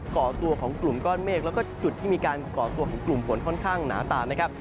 ก่อตัวของกลุ่มก้อนเมฆแล้วก็จุดที่มีการก่อตัวของกลุ่มฝนค่อนข้างหนาตานะครับ